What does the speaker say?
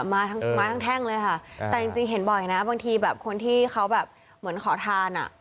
มาทั้งมาทั้งแท่งเลยค่ะแต่จริงเห็นบ่อยนะบางทีแบบคนที่เขาแบบเหมือนขอทานอ่ะ